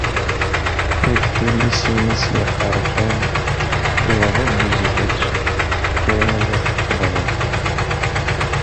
Deg tullisin-is yeqqar kan: “yewweḍ-d i zzwaj, kkren ad s-d-xeḍben”.